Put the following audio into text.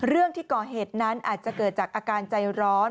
เรื่องที่ก่อเหตุนั้นอาจจะเกิดจากอาการใจร้อน